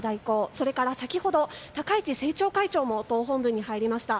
それから先ほど高市政調会長も党本部に入りました。